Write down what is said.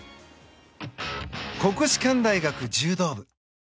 国士舘大学柔道部。